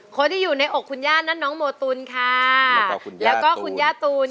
คนที่อยู่ในอกคุณย่านั่นน้องโมตุลค่ะแล้วก็คุณย่าตูน